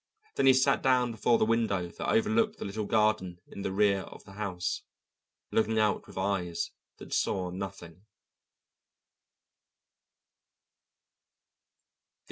Then he sat down before the window that overlooked the little garden in the rear of the house, looking out with eyes that saw nothing.